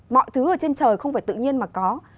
mọi thứ ở trên trời không phải tự nhiên mà có